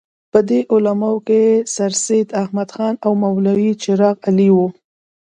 په دې علماوو کې سرسید احمد خان او مولوي چراغ علي وو.